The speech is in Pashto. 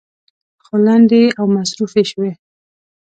خو لنډې او مصروفې شوې.